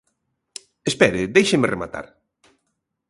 Espere, déixeme rematar.